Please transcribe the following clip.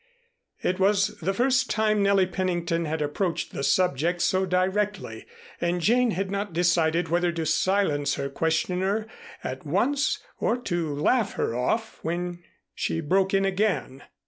It was the first time Nellie Pennington had approached the subject so directly, and Jane had not decided whether to silence her questioner at once or to laugh her off when she broke in again.